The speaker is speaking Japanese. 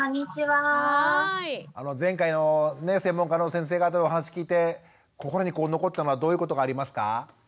前回のね専門家の先生方のお話聞いて心に残ったのはどういうことがありますか？